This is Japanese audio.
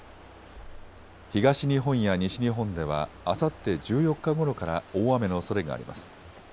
東日本や西日本ではあさって１４日ごろから大雨のおそれがあります。